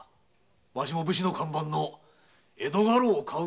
わしも武士の看板の江戸家老を買うとするか。